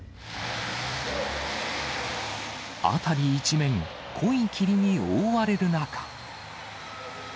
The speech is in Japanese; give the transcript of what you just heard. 辺り一面、濃い霧に覆われる中。